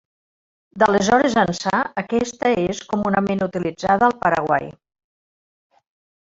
D'aleshores ençà, aquesta és comunament utilitzada al Paraguai.